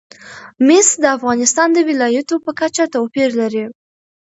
مس د افغانستان د ولایاتو په کچه توپیر لري.